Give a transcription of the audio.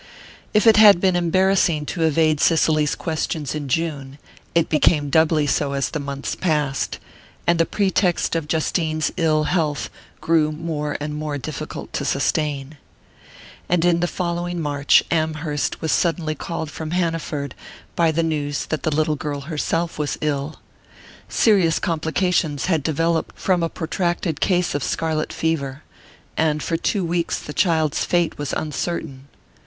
If it had been embarrassing to evade Cicely's questions in June it became doubly so as the months passed, and the pretext of Justine's ill health grew more and more difficult to sustain. And in the following March Amherst was suddenly called from Hanaford by the news that the little girl herself was ill. Serious complications had developed from a protracted case of scarlet fever, and for two weeks the child's fate was uncertain.